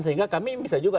sehingga kami bisa juga